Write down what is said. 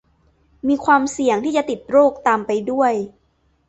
มีความเสี่ยงที่จะติดโรคตามไปด้วย